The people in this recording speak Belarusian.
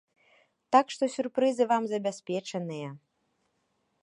Так што сюрпрызы вам забяспечаныя!